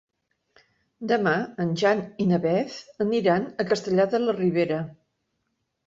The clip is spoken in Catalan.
Demà en Jan i na Beth aniran a Castellar de la Ribera.